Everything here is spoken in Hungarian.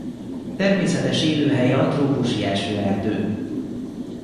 Természetes élőhelye a trópusi esőerdő.